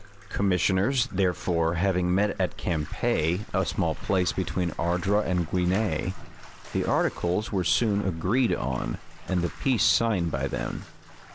Commissioners, therefore, having met at Campe, a small place between Ardres and Guisnes, the articles were soon agreed on, and the peace signed by them.